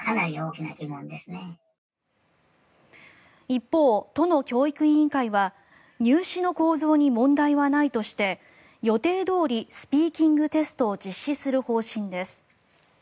一方、都の教育委員会は入試の構造に問題はないとして予定どおりスピーキングテストを実施する方針です。